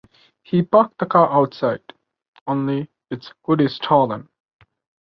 He parked the car outside. Only its hood is stolen.